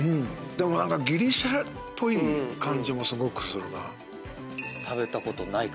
でもギリシャっぽい感じもすごくするな。